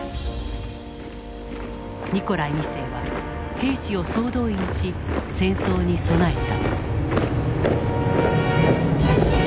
ニコライ２世は兵士を総動員し戦争に備えた。